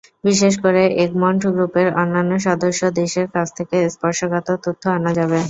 বিশেষ করে এগমন্ট গ্রুপের অন্যান্য সদস্যদেশের কাছ থেকে স্পর্শকাতর তথ্য আনা যাবে।